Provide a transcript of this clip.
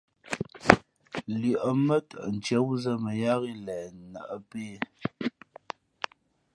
Lʉαʼ mά tαʼ ntīē wúzᾱ mα yáá ghʉ̌ lěn nᾱʼpē.